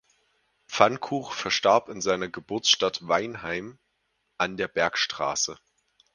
Pfannkuch verstarb in seiner Geburtsstadt Weinheim an der Bergstraße.